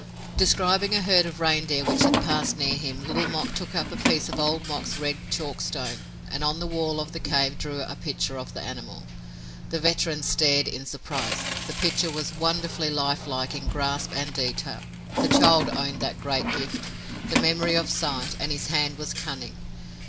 Describing a herd of reindeer which had passed near him, Little Mok took up a piece of Old Mok's red chalkstone and on the wall of the cave drew a picture of the animal. The veteran stared in surprise. The picture was wonderfully life like in grasp and detail. The child owned that great gift, the memory of sight, and his hand was cunning.